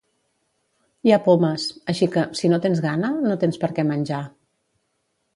Hi ha pomes, així que, si no tens gana, no tens per què menjar.